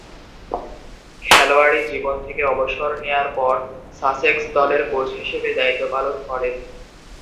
খেলোয়াড়ী জীবন থেকে অবসর নেয়ার পর সাসেক্স দলের কোচ হিসেবে দায়িত্ব পালন করেন।